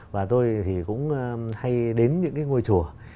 và tôi thì cũng hay đến những cái ngôi chùa